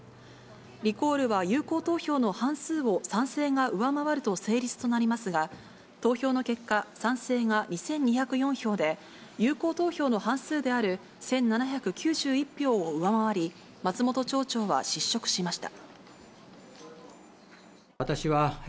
リコールは有効投票の半数を賛成が上回ると成立となりますが、投票の結果、賛成が２２０４票で、有効投票の半数である１７９１票を上回り、松本町長は失職しました。